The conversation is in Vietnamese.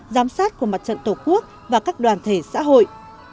giám sát của mặt trận tổ quốc và các đoàn thể xã hội